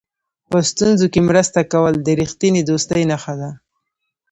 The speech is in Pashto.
په ستونزو کې مرسته کول د رښتینې دوستۍ نښه ده.